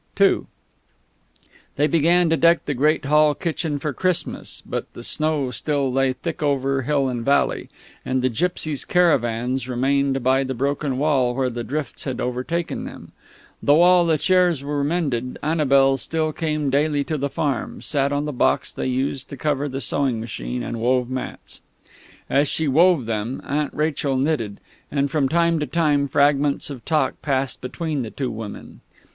II They began to deck the great hall kitchen for Christmas, but the snow still lay thick over hill and valley, and the gipsies' caravans remained by the broken wall where the drifts had overtaken them. Though all the chairs were mended, Annabel still came daily to the farm, sat on the box they used to cover the sewing machine, and wove mats. As she wove them, Aunt Rachel knitted, and from time to time fragments of talk passed between the two women.